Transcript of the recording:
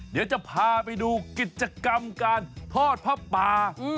เดี๋ยวจะพาไปดูกิจกรรมการทอดผ้าป่า